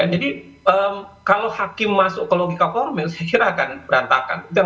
jadi kalau hakim masuk ke logika formil saya kira akan berantakan